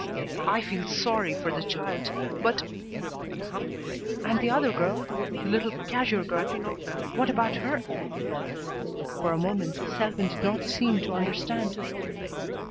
I feel sorry for the child, but " "And the other girl the little cashier girl? What about her?" For a moment Selwyn did not seem to understand.